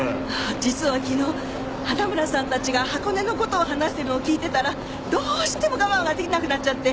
実は昨日花村さんたちが箱根の事を話してるのを聞いてたらどうしても我慢が出来なくなっちゃって。